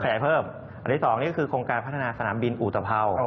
อันดับที่๒นี่ก็คือโครงการพัฒนาสนามบินอุตภัวร์